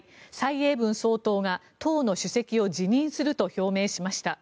蔡英文総統が党の主席を辞任すると表明しました。